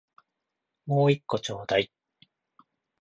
もう一個ちょうだい